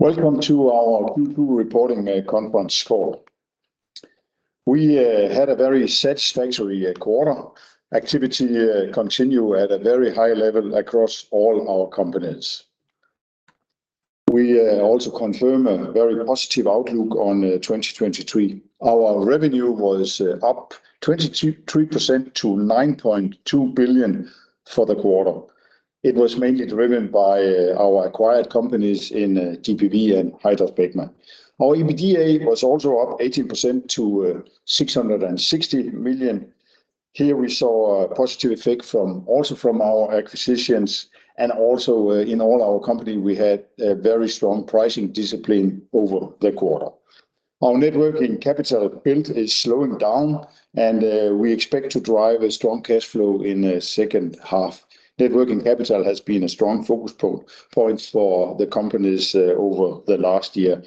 Welcome to our Q2 reporting conference call. We had a very satisfactory quarter. Activity continue at a very high level across all our companies. We also confirm a very positive outlook on 2023. Our revenue was up 22.3% to 9.2 billion for the quarter. It was mainly driven by our acquired companies in GPV and HydraSpecma. Our EBITDA was also up 18% to 660 million. Here we saw a positive effect from, also from our acquisitions, and also, in all our company, we had a very strong pricing discipline over the quarter. Our net working capital build is slowing down, and we expect to drive a strong cash flow in the second half. Net working capital has been a strong focus points for the companies over the last year.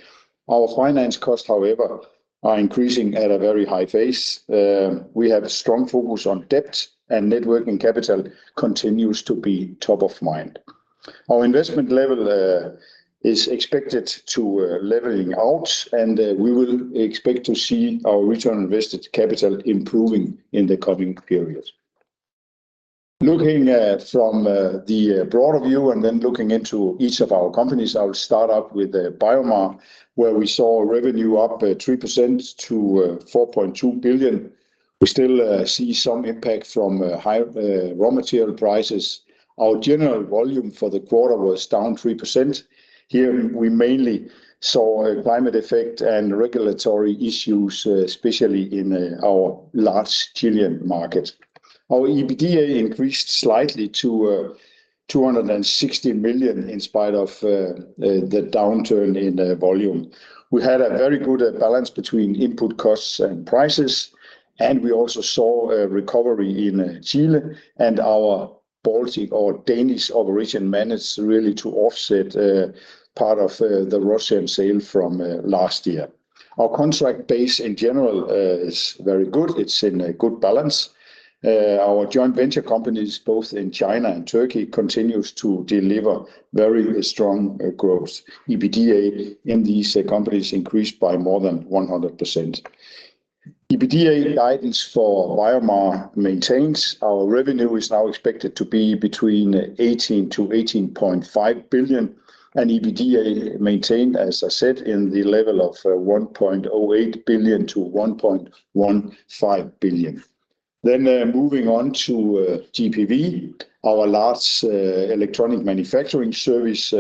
Our finance costs, however, are increasing at a very high pace. We have a strong focus on debt, and net working capital continues to be top of mind. Our investment level is expected to leveling out, and we will expect to see our return on invested capital improving in the coming period. Looking at from the broader view and then looking into each of our companies, I will start out with BioMar, where we saw revenue up 3% to 4.2 billion. We still see some impact from high raw material prices. Our general volume for the quarter was down 3%. Here, we mainly saw a climate effect and regulatory issues, especially in our large Chilean market. Our EBITDA increased slightly to 260 million, in spite of the downturn in volume. We had a very good balance between input costs and prices. We also saw a recovery in Chile, and our Baltic or Danish operation managed really to offset part of the Russian sale from last year. Our contract base in general is very good. It's in a good balance. Our joint venture companies, both in China and Turkey, continues to deliver very strong growth. EBITDA in these companies increased by more than 100%. EBITDA guidance for BioMar maintains our revenue is now expected to be between 18 billion-18.5 billion, and EBITDA maintained, as I said, in the level of 1.08 billion-1.15 billion. Moving on to GPV, our largest Electronic Manufacturing Services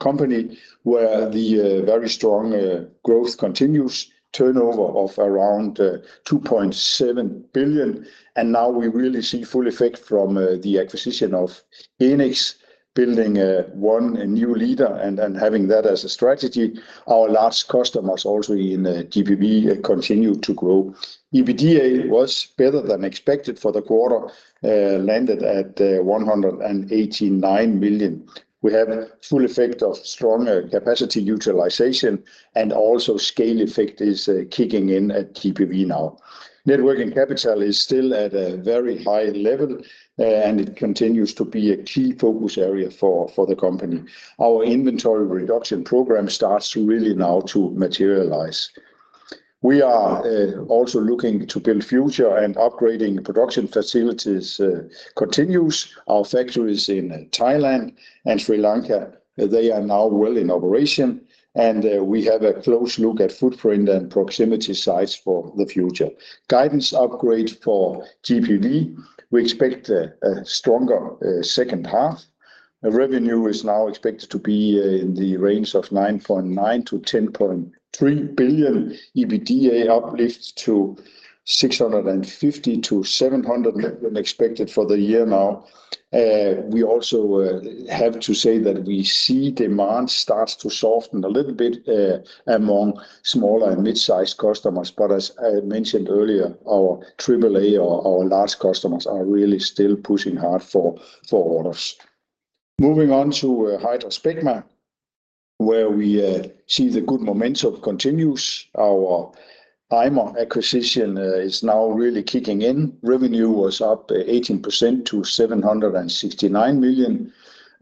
company, where the very strong growth continues, turnover of around 2.7 billion. Now we really see full effect from the acquisition of Enics, building one, a new leader, and having that as a strategy. Our largest customers, also in GPV, continue to grow. EBITDA was better than expected for the quarter, landed at 189 million. We have full effect of strong capacity utilization, and also scale effect is kicking in at GPV now. Net working capital is still at a very high level, and it continues to be a key focus area for, for the company. Our inventory reduction program starts really now to materialize. We are also looking to build future and upgrading production facilities continues. Our factories in Thailand and Sri Lanka, they are now well in operation, and we have a close look at footprint and proximity sites for the future. Guidance upgrade for GPV, we expect a stronger second half. Revenue is now expected to be in the range of 9.9 billion-10.3 billion. EBITDA uplifts to 650 million-700 million expected for the year now. We also have to say that we see demand starts to soften a little bit among small and mid-sized customers, but as I mentioned earlier, our Triple A or our large customers are really still pushing hard for orders. Moving on to HydraSpecma, where we see the good momentum continues. Our Ymer acquisition is now really kicking in. Revenue was up 18% to 769 million,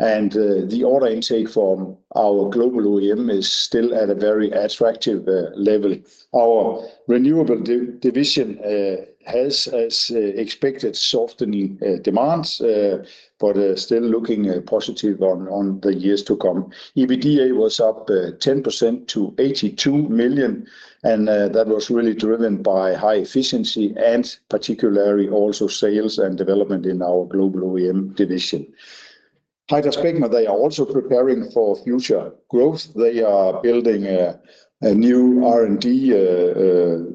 and the order intake from our global OEM is still at a very attractive level. Our renewable division has, as expected, softening demands, but still looking positive on the years to come. EBITDA was up 10% to 82 million, and that was really driven by high efficiency and particularly also sales and development in our global OEM division. HydraSpecma, they are also preparing for future growth. They are building a new R&D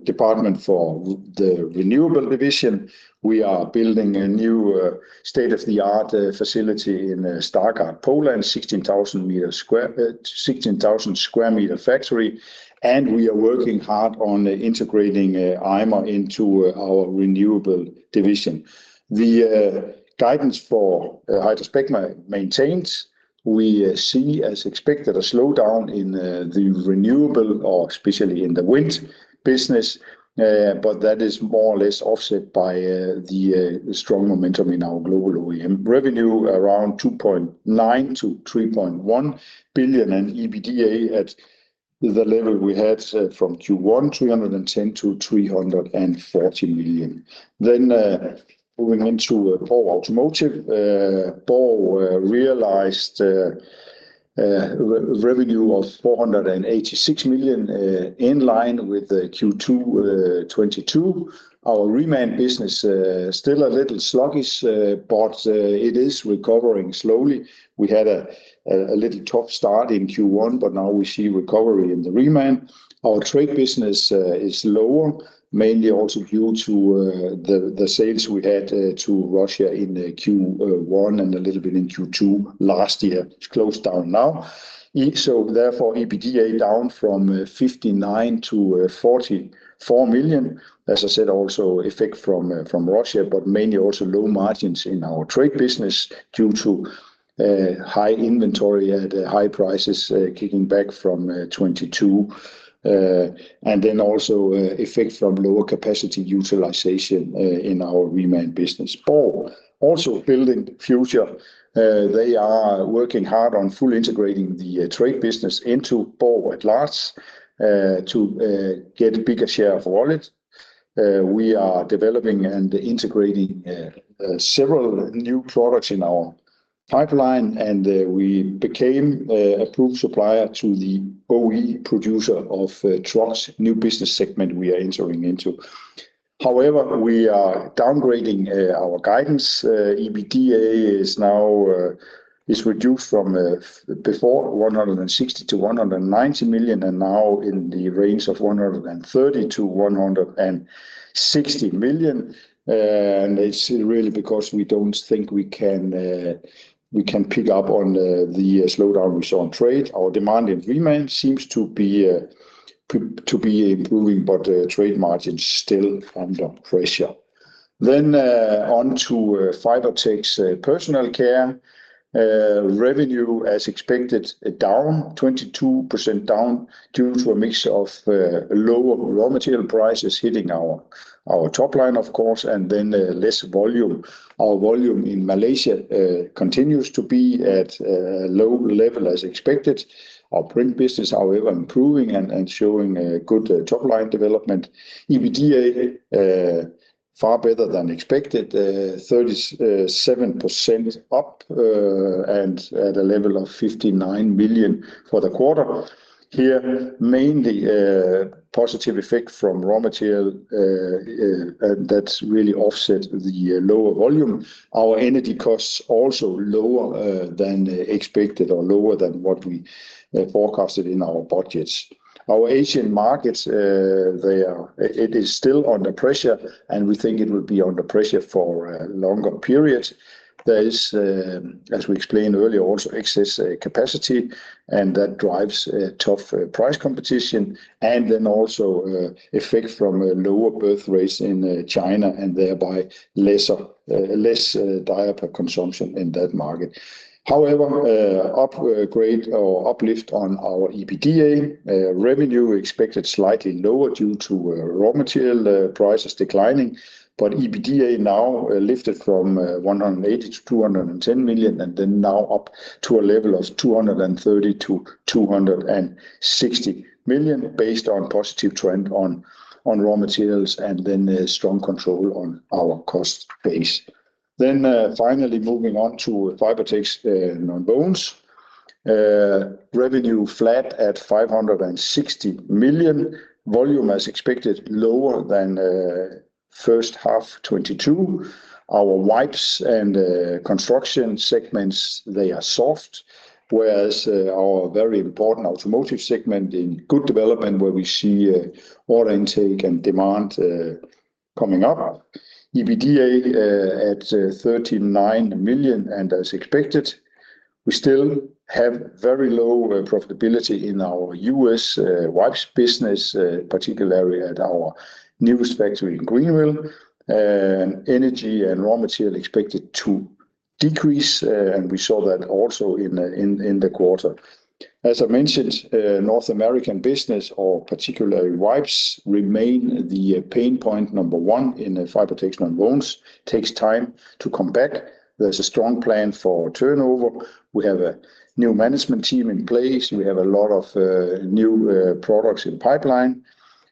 department for the renewable division. We are building a new state-of-the-art facility in Stargard, Poland, 16,000 meter square, 16,000 square meter factory, and we are working hard on integrating Ymer into our renewable division. The guidance for HydraSpecma maintains. We see, as expected, a slowdown in the renewable or especially in the wind business, but that is more or less offset by the strong momentum in our global OEM. Revenue around 2.9 billion-3.1 billion, and EBITDA at the level we had from Q1, 310 million-340 million. Moving on to Borg Automotive, Borg realized a revenue of 486 million in line with the Q2 2022. Our Reman business still a little sluggish, but it is recovering slowly. We had a little tough start in Q1, but now we see recovery in the Reman. Our trade business is lower, mainly also due to the, the sales we had to Russia in the Q1 and a little bit in Q2 last year. It's closed down now. Therefore, EBITDA down from 59 million to 44 million. As I said, also effect from, from Russia, but mainly also low margins in our trade business due to high inventory at high prices, kicking back from 2022. Then also effect from lower capacity utilization in our Reman business. Borg also building future, they are working hard on fully integrating the trade business into Borg at large, to get a bigger share of wallet. We are developing and integrating several new products in our pipeline, and we became approved supplier to the OE producer of trucks, new business segment we are entering into. However, we are downgrading our guidance. EBITDA is now reduced from before 160 million-190 million, and now in the range of 130 million-160 million. It's really because we don't think we can we can pick up on the slowdown we saw on trade. Our demand in Reman seems to be to be improving, but trade margins still under pressure. On to Fibertex Personal Care. Revenue, as expected, down, 22% down due to a mix of lower raw material prices hitting our, our top line, of course, and then less volume. Our volume in Malaysia continues to be at a low level as expected. Our print business, however, improving and, and showing a good top line development. EBITDA, far better than expected, 37% up, and at a level of 59 million for the quarter. Here, mainly a positive effect from raw material that's really offset the lower volume. Our energy costs also lower than expected or lower than what we forecasted in our budgets. Our Asian markets, it is still under pressure, and we think it will be under pressure for a longer period. There is, as we explained earlier, also excess capacity, and that drives a tough price competition, and then also effect from lower birth rates in China, and thereby less diaper consumption in that market. However, upgrade or uplift on our EBITDA, revenue expected slightly lower due to raw material prices declining, but EBITDA now lifted from 180 million-210 million, and then now up to a level of 230 million-260 million, based on positive trend on raw materials and then a strong control on our cost base. Finally, moving on to Fibertex Nonwovens. Revenue flat at 560 million. Volume, as expected, lower than first half 2022. Our wipes and construction segments, they are soft, whereas our very important automotive segment in good development, where we see order intake and demand coming up. EBITDA at 39 million, as expected, we still have very low profitability in our U.S. wipes business, particularly at our new factory in Greenville. Energy and raw material expected to decrease, and we saw that also in the, in, in the quarter. As I mentioned, North American business or particularly wipes remain the pain point number one in the Fibertex Nonwovens. Takes time to come back. There's a strong plan for turnover. We have a new management team in place. We have a lot of new products in pipeline.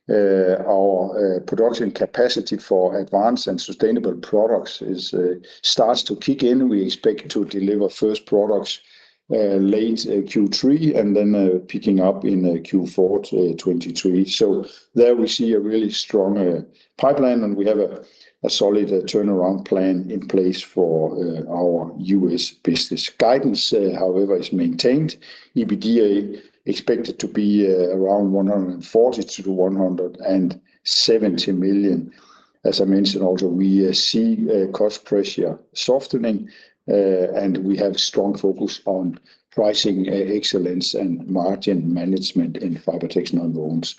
Our production capacity for advanced and sustainable products is starts to kick in. We expect to deliver first products, late Q3, and then picking up in Q4 2023. There we see a really strong pipeline, and we have a solid turnaround plan in place for our U.S. business. Guidance, however, is maintained. EBITDA expected to be around 140 million-170 million. As I mentioned also, we see cost pressure softening, and we have strong focus on pricing excellence and margin management in Fibertex Nonwovens.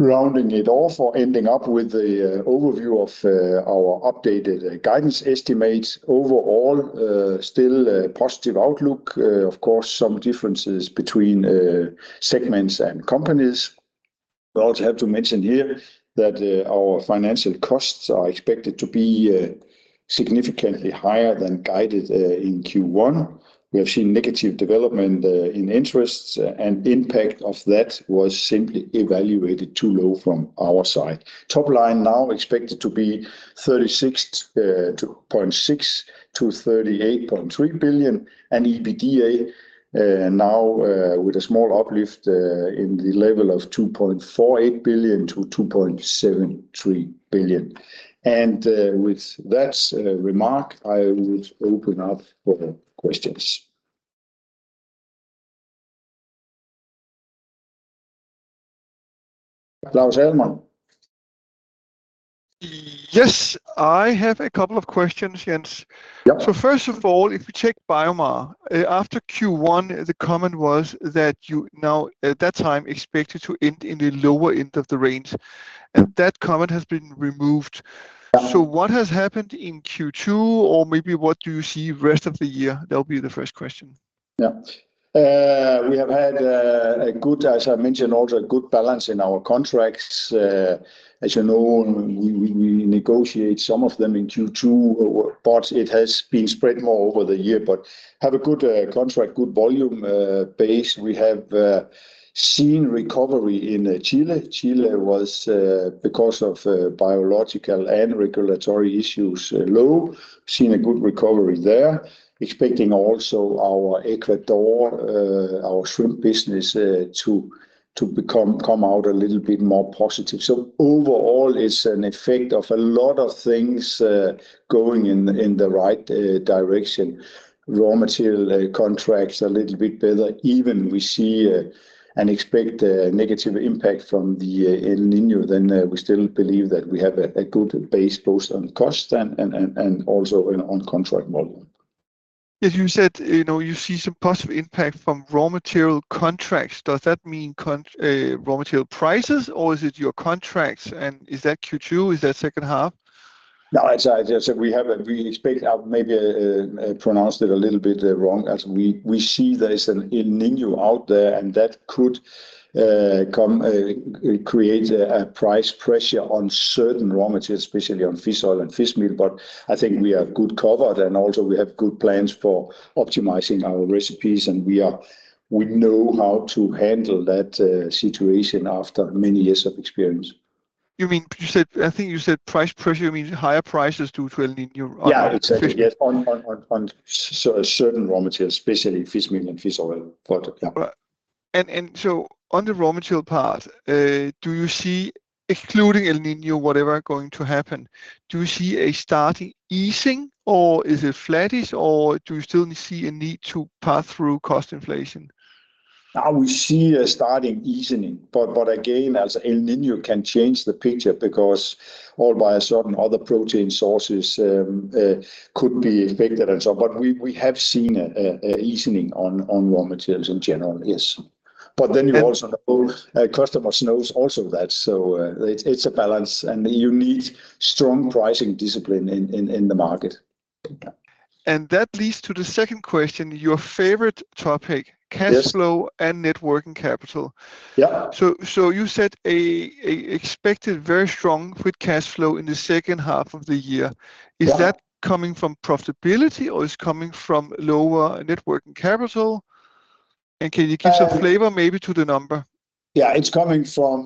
Rounding it off or ending up with the overview of our updated guidance estimates. Overall, still a positive outlook. Of course, some differences between segments and companies. We also have to mention here that our financial costs are expected to be significantly higher than guided in Q1. We have seen negative development in interests, and impact of that was simply evaluated too low from our side. Top line now expected to be 36.6 billion-38.3 billion, and EBITDA now with a small uplift in the level of 2.48 billion-2.73 billion. With that remark, I will open up for questions. Claus Almer? Yes, I have a couple of questions, Jens. Yeah. First of all, if you check BioMar, after Q1, the comment was that you now, at that time, expected to end in the lower end of the range, and that comment has been removed. Uh- What has happened in Q2, or maybe what do you see rest of the year? That'll be the first question. Yeah. We have had a good, as I mentioned, also a good balance in our contracts. As you know, we negotiate some of them in Q2, but it has been spread more over the year. Have a good contract, good volume base. We have seen recovery in Chile. Chile was because of biological and regulatory issues low. Seen a good recovery there. Expecting also our Ecuador, our shrimp business to become, come out a little bit more positive. Overall, it's an effect of a lot of things going in the right direction. Raw material contracts a little bit better. Even we see, and expect a negative impact from the El Niño, then, we still believe that we have a, a good base both on cost and, and, and, and also on, on contract volume. As you said, you know, you see some possible impact from raw material contracts. Does that mean raw material prices, or is it your contracts? Is that Q2? Is that second half? No, as I just said, we have a, we expect out maybe, pronounced it a little bit, wrong, as we, we see there is an El Niño out there, and that could, come, create a, a price pressure on certain raw materials, especially on fish oil and fish meal. I think we are good covered, and also we have good plans for optimizing our recipes, and we know how to handle that, situation after many years of experience. You mean, you said... I think you said price pressure, you mean higher prices due to El Nino on- Yeah, exactly. Yes, on, on, on, on certain raw materials, especially fish meal and fish oil. Yeah. On the raw material part, do you see, excluding El Niño, whatever going to happen, do you see a starting easing, or is it flattish, or do you still see a need to pass through cost inflation? Now we see a starting easing, but, but again, as El Niño can change the picture because all by a certain other protein sources, could be affected and so on. We, we have seen a, a, a easing on, on raw materials in general, yes. And- Then you also know, customers knows also that, so, it's, it's a balance, and you need strong pricing discipline in, in, in the market. That leads to the second question, your favorite topic. Yes ... cash flow and net working capital. Yeah. You said a expected very strong with cash flow in the second half of the year. Yeah. Is that coming from profitability, or is coming from lower net working capital? Can you give some flavor maybe to the number? Yeah, it's coming from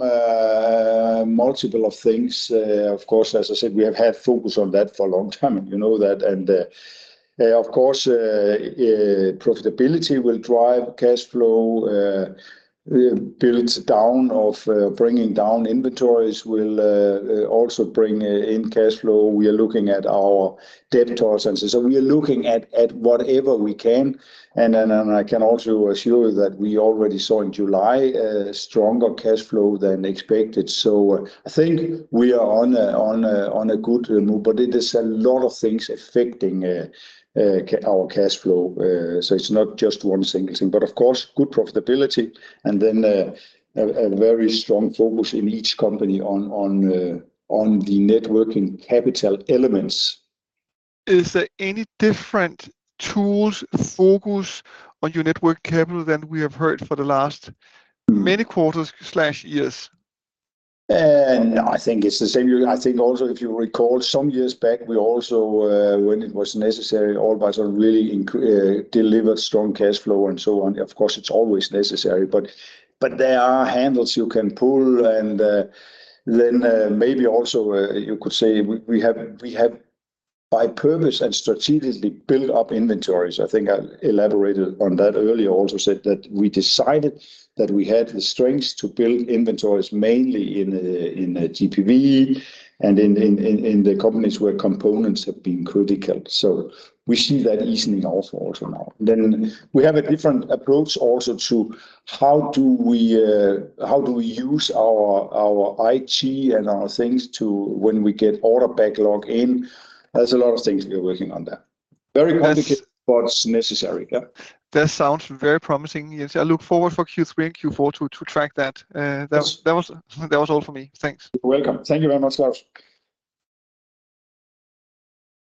multiple of things. Of course, as I said, we have had focus on that for a long time, you know that. Of course, profitability will drive cash flow. Builds down of bringing down inventories will also bring in cash flow. We are looking at our debtors, and so we are looking at, at whatever we can. I can also assure you that we already saw in July a stronger cash flow than expected. I think we are on a, on a, on a good move, but it is a lot of things affecting our cash flow. It's not just one single thing, but of course, good profitability and then, a very strong focus in each company on, on, on the Net working capital elements. Is there any different tools, focus on your Net working capital than we have heard for the last many quarters/years? No, I think it's the same. I think also, if you recall, some years back, we also, when it was necessary, all by some really delivered strong cash flow and so on. Of course, it's always necessary, but, but there are handles you can pull, and, then, maybe also, you could say we, we have, we have by purpose and strategically built up inventories. I think I elaborated on that earlier, also said that we decided that we had the strengths to build inventories mainly in, in GPV and in, in, in, in the companies where components have been critical. We see that easing also, also now. We have a different approach also to how do we, how do we use our, our IT and our things to... When we get order backlog in, there's a lot of things we are working on there. Yes. Very complicated, but it's necessary. Yeah. That sounds very promising, yes. I look forward for Q3 and Q4 to track that. Yes. that's, that was, that was all for me. Thanks. You're welcome. Thank you very much, Claus....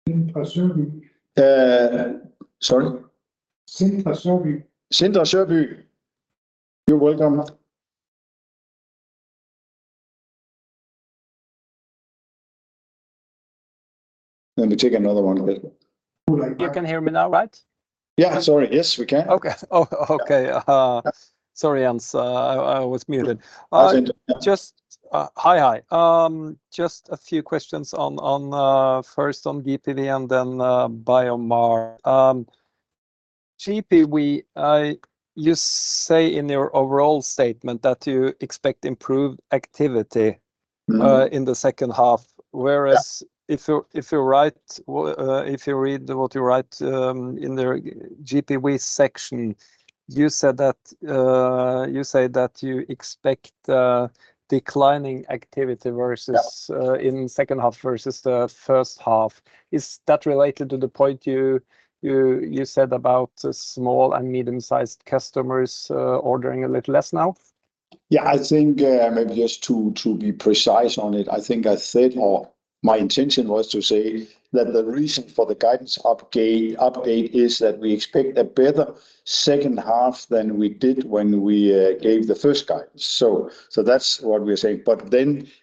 Sindre Sørbye. Sorry? Sindre Sørbye. Sindre Sørbye. You're welcome. Let me take another one a bit. You can hear me now, right? Yeah, sorry. Yes, we can. Okay. Oh, okay. Sorry, Jens, I, I was muted. That's it. Hi, hi. Just a few questions on, on, first on GPV and then BioMar. GPV, you say in your overall statement that you expect improved activity. Mm-hmm... in the second half, whereas- Yeah ... if you, if you're right, if you read what you write, in the GPV section, you said that, you say that you expect, declining activity versus- Yeah... in second half versus the first half. Is that related to the point you, you, you said about the small and medium-sized customers, ordering a little less now? Yeah, I think, maybe just to, to be precise on it, I think I said, or my intention was to say that the reason for the guidance update is that we expect a better second half than we did when we gave the first guide. That's what we're saying.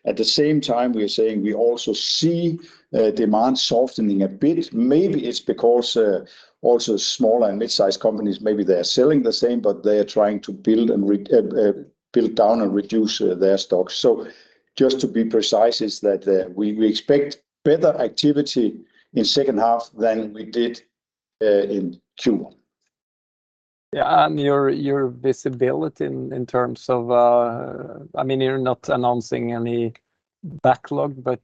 At the same time, we are saying we also see demand softening a bit. Maybe it's because, also small and mid-sized companies, maybe they're selling the same, but they are trying to build down and reduce their stocks. Just to be precise, is that, we expect better activity in second half than we did in Q1. Yeah, your visibility in, in terms of, I mean, you're not announcing any backlog, but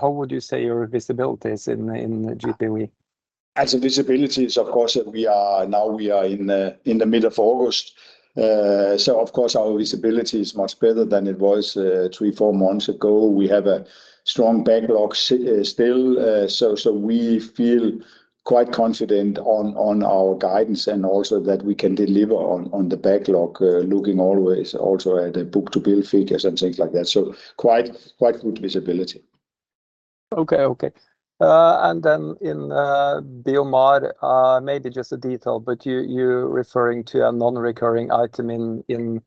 how would you say your visibility is in, in the GPV? As a visibility, of course, we are, now we are in the, in the middle of August. Of course, our visibility is much better than it was three, four months ago. We have a strong backlog still, so we feel quite confident on our guidance and also that we can deliver on the backlog, looking always also at the book-to-bill figures and things like that. Quite, quite good visibility. Okay, okay. In BioMar, maybe just a detail, but you're referring to a non-recurring item in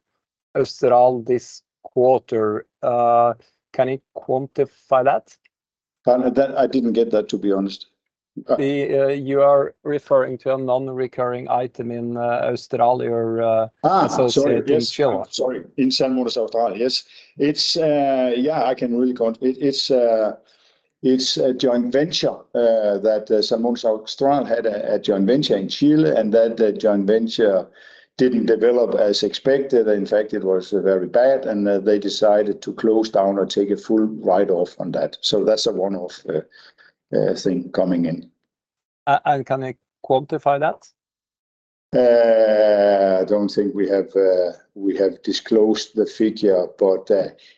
Austral this quarter. Can you quantify that? That I didn't get that, to be honest. You are referring to a non-recurring item in Austral or? Ah, sorry, yes. associated in Chile. Sorry. In Salmones Austral, yes. It's. Yeah, I can really it's, it's a joint venture, that Salmones Austral had a joint venture in Chile, and that the joint venture didn't develop as expected. In fact, it was very bad, and they decided to close down or take a full write-off on that. That's a one-off thing coming in. Can you quantify that? I don't think we have, we have disclosed the figure, but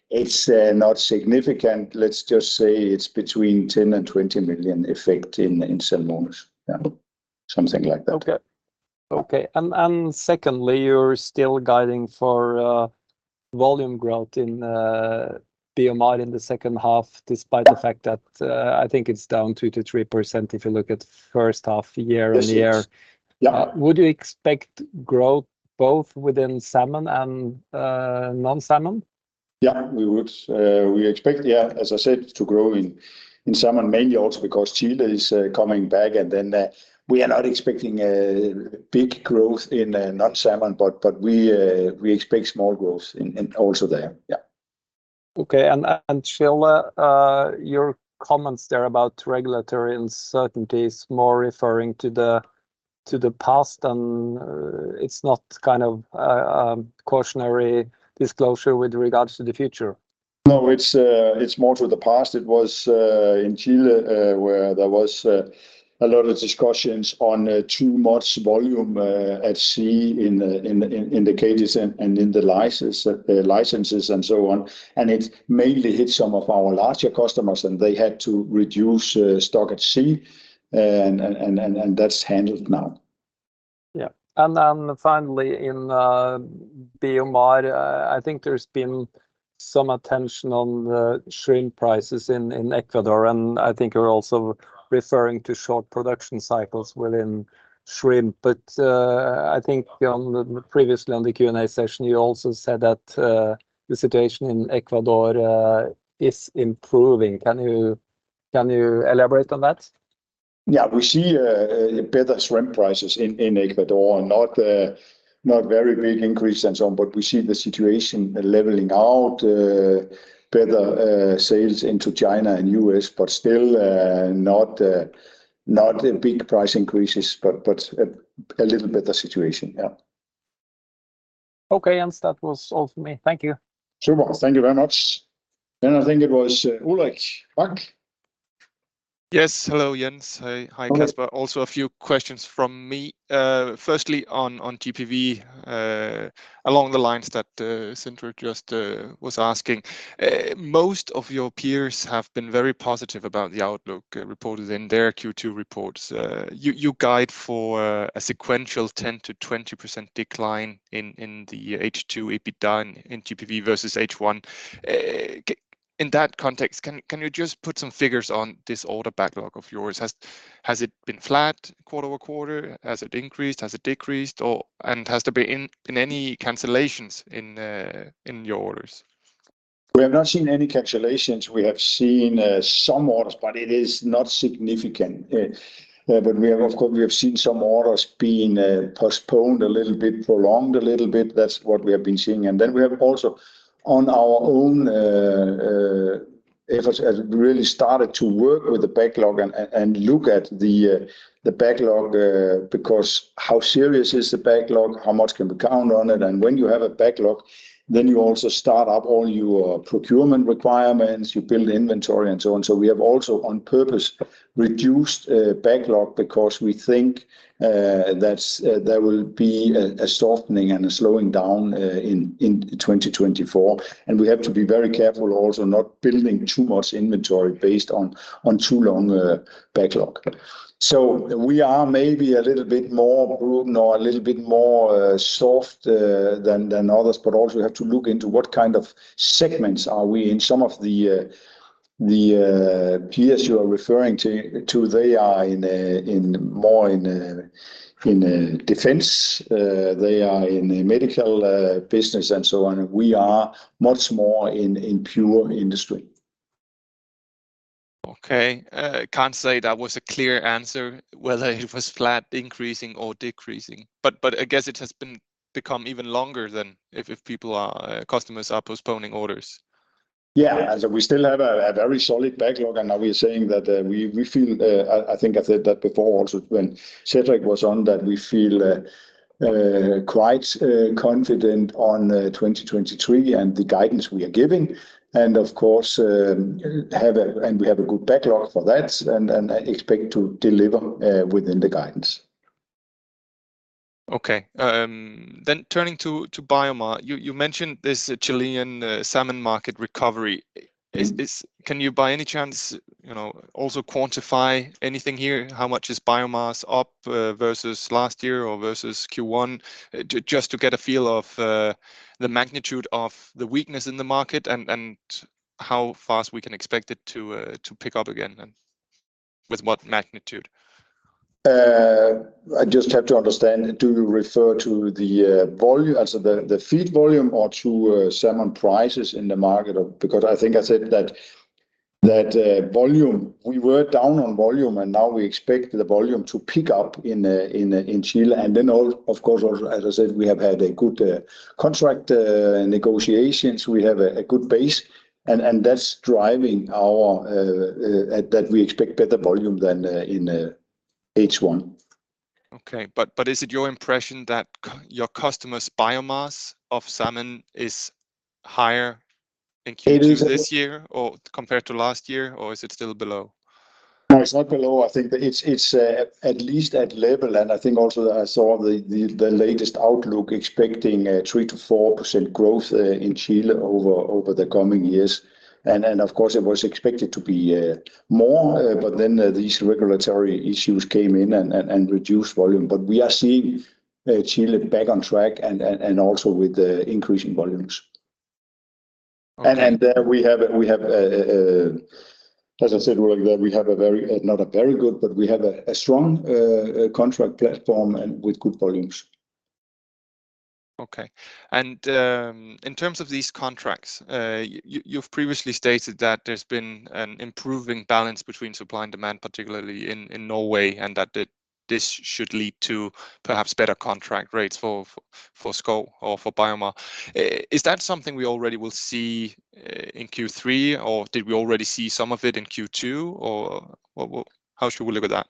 it's not significant. Let's just say it's between 10 million and 20 million effect in Salmones. Yeah, something like that. Okay. Okay, and secondly, you're still guiding for volume growth in BioMar in the second half, despite. Yeah... the fact that, I think it's down 2%-3% if you look at first half year-over-year. Yes. Yeah. Would you expect growth both within salmon and non-salmon? Yeah, we would. We expect, yeah, as I said, to grow in salmon, mainly also because Chile is coming back, and then, we are not expecting a big growth in, non-salmon, but we, we expect small growth in also there. Yeah. Okay, and Chile, your comments there about regulatory uncertainties, more referring to the past and, it's not kind of, cautionary disclosure with regards to the future? No, it's, it's more to the past. It was in Chile, where there was a lot of discussions on too much volume at sea in, in, in the cages and, and in the license, licenses and so on. It mainly hit some of our larger customers, and they had to reduce stock at sea, and, and, and, and that's handled now. Yeah. Finally, in BioMar, I think there's been some attention on the shrimp prices in Ecuador, and I think you're also referring to short production cycles within shrimp. I think on the- previously on the Q&A session, you also said that the situation in Ecuador is improving. Can you, can you elaborate on that? Yeah. We see, better shrimp prices in, in Ecuador, not, not very big increase and so on, but we see the situation leveling out, better, sales into China and U.S., but still, not, not big price increases, but a little better situation. Yeah. Okay, Jens, that was all for me. Thank you. Sure, thank you very much. I think it was, Ulrich. Mark? Yes. Hello, Jens. Hey. Hi, Kasper. Hi. Also, a few questions from me. Firstly, on GPV, along the lines that Sindre just was asking, most of your peers have been very positive about the outlook reported in their Q2 reports. You guide for a sequential 10%-20% decline in the H2 EBITDA in GPV versus H1. In that context, can you just put some figures on this order backlog of yours? Has it been flat quarter-over-quarter? Has it increased? Has it decreased? Or, and has there been in any cancellations in your orders? We have not seen any cancellations. We have seen some orders, but it is not significant. We have, of course, we have seen some orders being postponed a little bit, prolonged a little bit. That's what we have been seeing. We have also on our own efforts, as we really started to work with the backlog and look at the backlog, because how serious is the backlog? How much can we count on it? When you have a backlog, then you also start up all your procurement requirements, you build inventory, and so on. We have also, on purpose, reduced backlog because we think that's there will be a softening and a slowing down in 2024, and we have to be very careful also not building too much inventory based on too long a backlog. We are maybe a little bit more prudent or a little bit more soft than others, but also we have to look into what kind of segments are we in. Some of the peers you are referring to, they are in more in defense. They are in the medical business and so on. We are much more in pure industry. Okay. Can't say that was a clear answer, whether it was flat, increasing or decreasing. I guess it has been become even longer than if, if people are, customers are postponing orders. Yeah. We still have a, a very solid backlog, and now we are saying that we, we feel... I, I think I said that before also when Sindre was on, that we feel quite confident on 2023 and the guidance we are giving. Of course, have a, and we have a good backlog for that and, and I expect to deliver within the guidance. Okay. turning to, to BioMar, you, you mentioned this Chilean salmon market recovery. Mm. Can you, by any chance, you know, also quantify anything here? How much is BioMar up versus last year or versus Q1, just to get a feel of the magnitude of the weakness in the market and how fast we can expect it to pick up again, and with what magnitude? I just have to understand, do you refer to the volume, as the feed volume or to salmon prices in the market? I think I said that, that volume, we were down on volume, and now we expect the volume to pick up in Chile. Then all, of course, also, as I said, we have had a good contract negotiations. We have a good base, and that's driving our that we expect better volume than in H1. Okay, but is it your impression that your customers' biomass of salmon is higher in Q2? It is- this year or compared to last year, or is it still below? No, it's not below. I think it's, it's at least at level. I think also I saw the, the, the latest outlook expecting a 3%-4% growth in Chile over, over the coming years. Of course, it was expected to be more, but then these regulatory issues came in and, and, and reduced volume. We are seeing Chile back on track and, and, and also with the increasing volumes. Okay. Then we have a, we have a, as I said, well, we have a very, not a very good, but we have a strong contract platform and with good volumes. Okay. In terms of these contracts, you, you've previously stated that there's been an improving balance between supply and demand, particularly in, in Norway, and that this should lead to perhaps better contract rates for, for SCO or for BioMar. Is that something we already will see, in Q3, or did we already see some of it in Q2, or how should we look at that?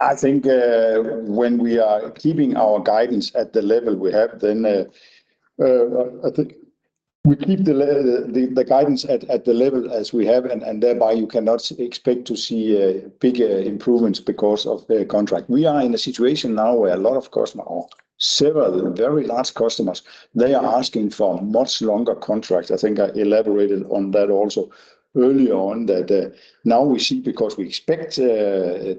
I think, when we are keeping our guidance at the level we have, then, I think we keep the guidance at the level as we have, and thereby you cannot expect to see big improvements because of the contract. We are in a situation now where a lot of customers, or several very large customers, they are asking for much longer contracts. I think I elaborated on that also early on, that, now we see because we expect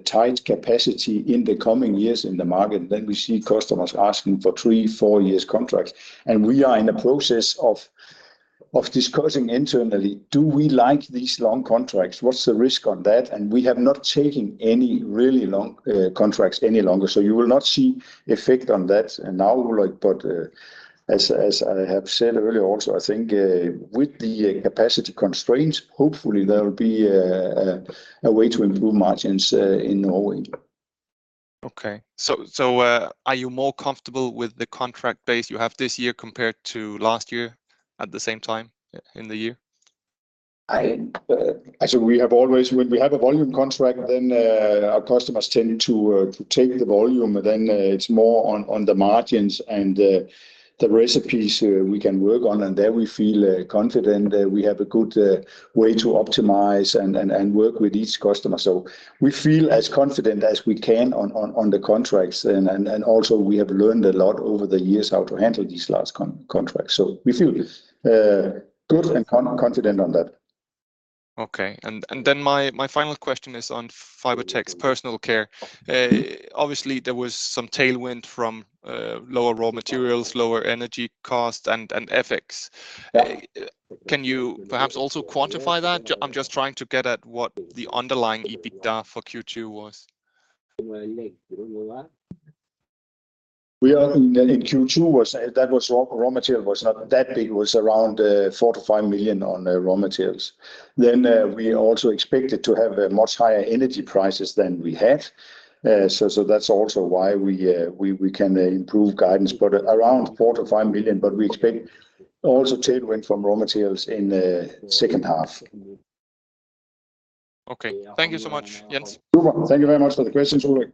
tight capacity in the coming years in the market, then we see customers asking for 3, 4 years contracts. We are in the process of discussing internally: Do we like these long contracts? What's the risk on that? We have not taken any really long contracts any longer, so you will not see effect on that now. As, as I have said earlier, also, I think, with the capacity constraints, hopefully, there will be a way to improve margins in Norway. Okay. so, are you more comfortable with the contract base you have this year compared to last year at the same time in the year? I, as we have always, when we have a volume contract, then, our customers tend to take the volume, then, it's more on, on the margins and the recipes, we can work on, and there we feel confident that we have a good way to optimize and, and, and work with each customer. We feel as confident as we can on, on, on the contracts, and, and, and also we have learned a lot over the years how to handle these large contracts. We feel good and confident on that. Okay, and, and then my, my final question is on Fibertex's Personal Care. Obviously, there was some tailwind from, lower raw materials, lower energy costs, and, and FX. Can you perhaps also quantify that? I'm just trying to get at what the underlying EBITDA for Q2 was. We are, in Q2 was, that was raw, raw material was not that big, it was around 4 million-5 million on, raw materials. We also expected to have a much higher energy prices than we had. That's also why we, we, we can improve guidance, but around 4 million-5 million, but we expect also tailwind from raw materials in the second half. Okay. Thank you so much, Jens. Super. Thank you very much for the questions, Ulrich.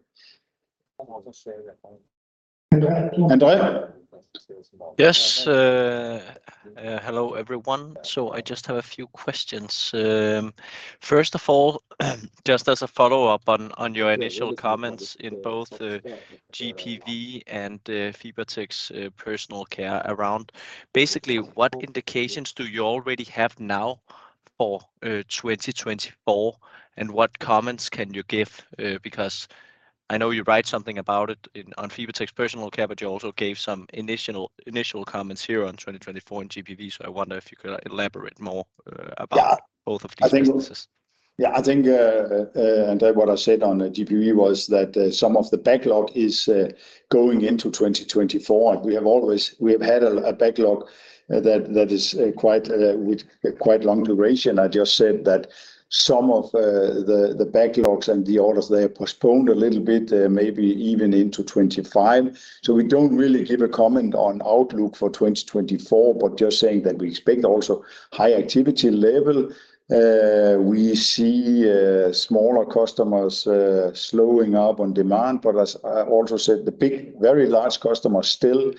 Andrea? Yes, hello, everyone. I just have a few questions. First of all, just as a follow-up on, on your initial comments in both GPV and Fibertex's Personal Care around, basically, what indications do you already have now for 2024, and what comments can you give? Because I know you write something about it in, on Fibertex's Personal Care, but you also gave some initial, initial comments here on 2024 in GPV. I wonder if you could elaborate more? Yeah About both of these businesses. Yeah, I think, what I said on the GPV was that some of the backlog is going into 2024. We have always. We have had a backlog that is quite with a quite long duration. I just said that some of the backlogs and the orders, they are postponed a little bit, maybe even into 2025. We don't really give a comment on outlook for 2024, but just saying that we expect also high activity level. We see smaller customers slowing up on demand, but as I also said, the big, very large customers still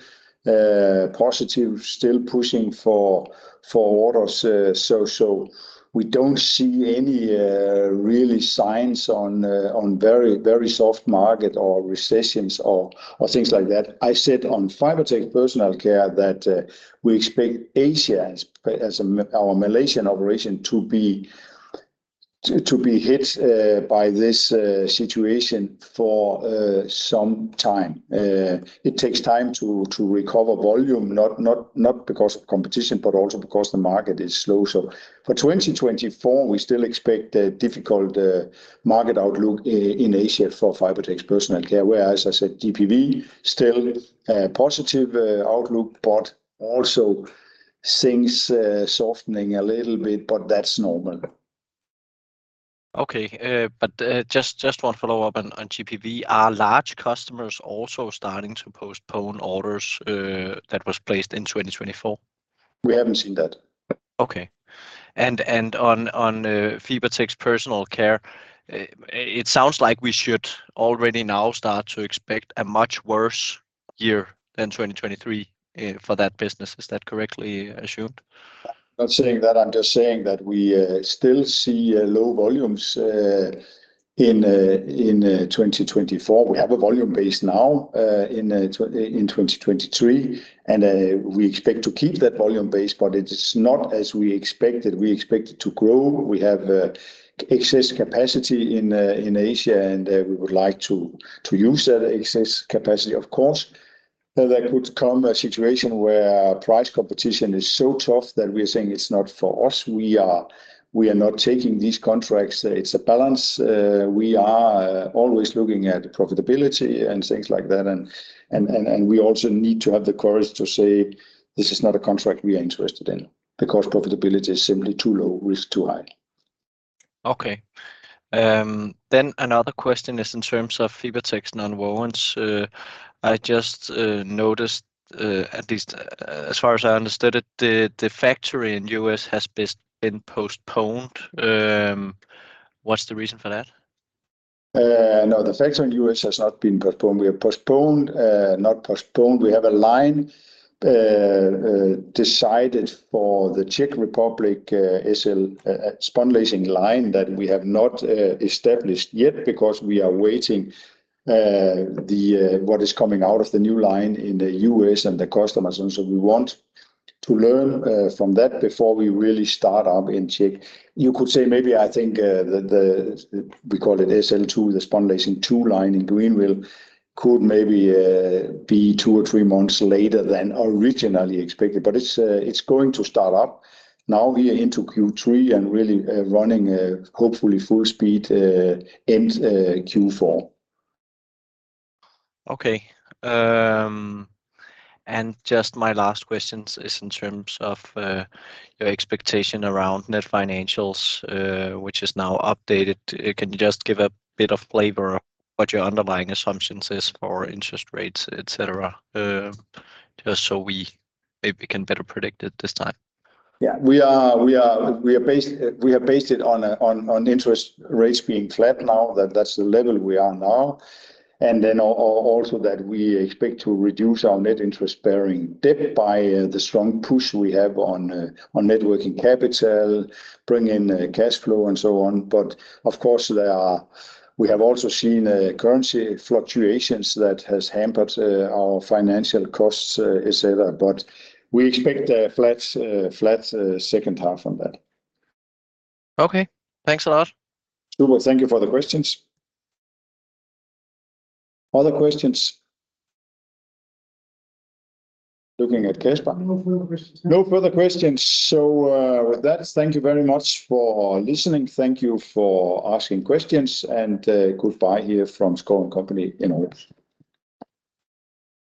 positive, still pushing for orders. We don't see any really signs on very, very soft market or recessions or things like that. I said on Fibertex Personal Care that we expect Asia as, as a our Malaysian operation to be, to, to be hit by this situation for some time. It takes time to, to recover volume, not, not, not because of competition, but also because the market is slow. For 2024, we still expect a difficult market outlook in Asia for Fibertex's Personal Care, where, as I said, GPV still positive outlook, but also things softening a little bit, but that's normal. Okay. just, just one follow-up on, on GPV. Are large customers also starting to postpone orders, that was placed in 2024? We haven't seen that. Okay. And on, on, Fibertex Personal Care, it sounds like we should already now start to expect a much worse year than 2023, for that business. Is that correctly assumed? Not saying that, I'm just saying that we still see low volumes in in 2024. We have a volume base now in 2023. We expect to keep that volume base, but it is not as we expected. We expect it to grow. We have excess capacity in Asia, and we would like to use that excess capacity, of course. There could come a situation where price competition is so tough that we are saying it's not for us. We are, we are not taking these contracts. It's a balance. We are always looking at profitability and things like that, and, and, and, and we also need to have the courage to say, "This is not a contract we are interested in because profitability is simply too low, risk too high. Okay. Another question is in terms of Fibertex Nonwovens. I just noticed, at least as far as I understood it, the factory in U.S. has been postponed. What's the reason for that? No, the factory in US has not been postponed. We have postponed, not postponed. We have a line decided for the Czech Republic, SL spunlacing line that we have not established yet because we are waiting the what is coming out of the new line in the US and the customers. We want to learn from that before we really start up in Czech. You could say maybe, I think, we call it SL 2, the spunlacing 2 line in Greenville, could maybe be 2 or 3 months later than originally expected. It's it's going to start up now we are into Q3 and really running hopefully full speed end Q4. Okay. Just my last questions is in terms of your expectation around net financials, which is now updated. Can you just give a bit of flavor of what your underlying assumptions is for interest rates, et cetera? Just so we can better predict it this time. Yeah. We are based it on interest rates being flat now, that that's the level we are now. Then also, that we expect to reduce our net interest-bearing debt by the strong push we have on Net working capital, bring in cash flow, and so on. Of course, there are-- We have also seen currency fluctuations that has hampered our financial costs, et cetera, but we expect a flat, flat, second half on that. Okay. Thanks a lot. Super. Thank you for the questions. Other questions? Looking at Kasper. No further questions. No further questions. With that, thank you very much for listening. Thank you for asking questions, and, goodbye here from Schouw & Co. in Aarhus.